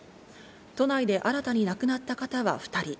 都内で新たに亡くなった方は２人。